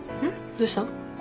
どうした？